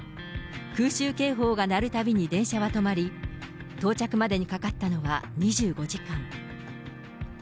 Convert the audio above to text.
空襲警報が鳴るたびに電車は止まり、到着までにかかったのは２５時間。